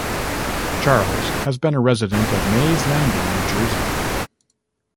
Charles has been a resident of Mays Landing, New Jersey.